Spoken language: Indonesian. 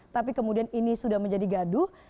tapi kemudian ini sudah menjadi gaduh